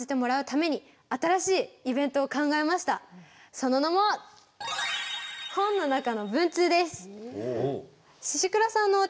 その名も「本の中の文通」です！